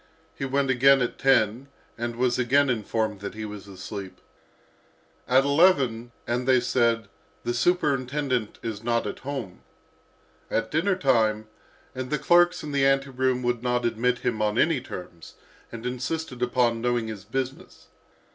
He went again at ten and was again informed that he was asleep. At eleven, and they said, "The superintendent is not at home." At dinner time, and the clerks in the ante room would not admit him on any terms, and insisted upon knowing his business.